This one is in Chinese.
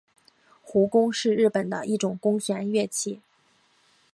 胡弓是日本的一种弓弦乐器。